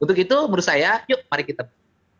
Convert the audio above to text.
untuk itu menurut saya yuk mari kita